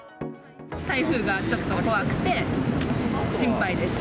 台風がちょっと怖くて、心配です。